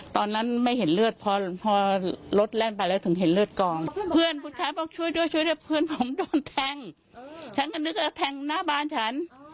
แทงก็นึกว่าแทงหน้าบาลฉันอ๋อ